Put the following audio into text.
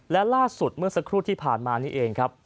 และล่าสุดเมื่อสักครู่ที่ผ่านมานี่เองครับ